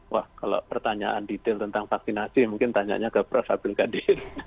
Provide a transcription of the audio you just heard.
wah kalau pertanyaan detail tentang vaksinasi mungkin tanyanya ke prof abdul qadir